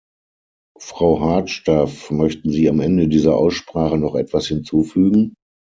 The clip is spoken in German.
Frau Hardstaff, möchten Sie am Ende dieser Aussprache noch etwas hinzufügen?